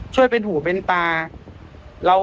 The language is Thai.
ช่วยเป็นหูเป็นตา